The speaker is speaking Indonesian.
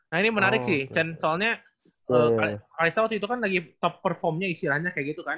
nah ini menarik sih chen soalnya kalisawat itu kan lagi top perform nya istilahnya kayak gitu kan